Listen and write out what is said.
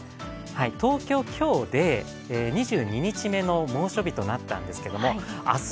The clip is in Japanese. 東京、今日で２２日目の猛暑日となったんですけど明日